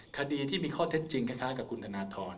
คดีที่มีข้อเท็จจริงค่ะกับคุณอนาธรณ